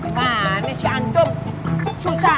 nah ini si antum susah anak serba salah ngasih taunya